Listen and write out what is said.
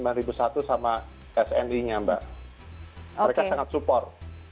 mereka sangat support